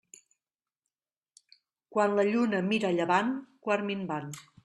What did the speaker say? Quan la lluna mira a llevant, quart minvant.